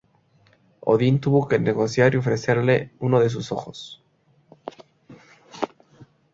Odín tuvo que negociar y ofrecerle uno de sus ojos.